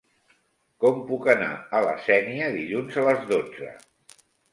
Com puc anar a la Sénia dilluns a les dotze?